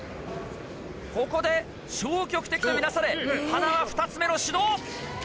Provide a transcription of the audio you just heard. ここで消極的と見なされ塙２つ目の指導。